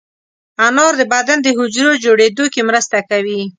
انار د بدن د حجرو جوړېدو کې مرسته کوي.